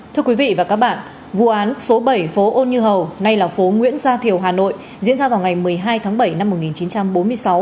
thưa quý vị và các bạn vụ án số bảy phố ô như hầu nay là phố nguyễn gia thiều hà nội diễn ra vào ngày một mươi hai tháng bảy năm một nghìn chín trăm bốn mươi sáu